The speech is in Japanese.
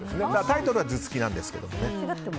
タイトルは「頭突き」なんですけどね。